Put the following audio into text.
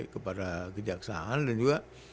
kepada kejaksaan dan juga